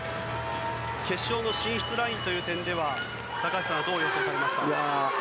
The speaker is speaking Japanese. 決勝の進出ラインという点では高橋さんはどう予想されますか。